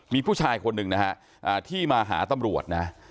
มีผู้ชายคนหนึ่งนะฮะที่มาหาตำรวจนะ